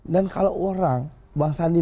dan kalau orang bang sandi